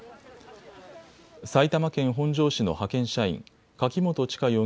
埼玉県本庄市の派遣社員、柿本知香